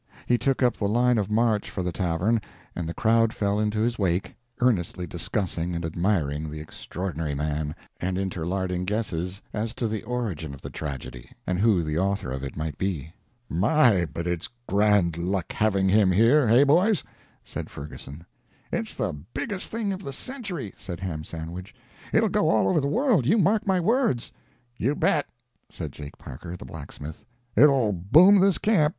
He took up the line of march for the tavern, and the crowd fell into his wake, earnestly discussing and admiring the Extraordinary Man, and interlarding guesses as to the origin of the tragedy and who the author of it might he. "My, but it's grand luck having him here hey, boys?" said Ferguson. "It's the biggest thing of the century," said Ham Sandwich. "It 'll go all over the world; you mark my words." "You bet!" said Jake Parker, the blacksmith. "It 'll boom this camp.